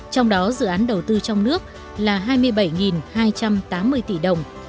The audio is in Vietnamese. trong đó dự án đầu tư trong nước là hai mươi bảy hai trăm tám mươi tỷ đồng